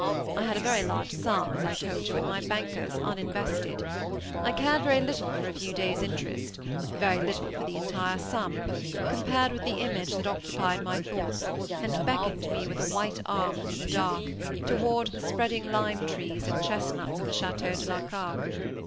I had a very large sum, as I told you, at my banker's, uninvested. I cared very little for a few day's interest very little for the entire sum, compared with the image that occupied my thoughts, and beckoned me with a white arm, through the dark, toward the spreading lime trees and chestnuts of the Château de la Carque.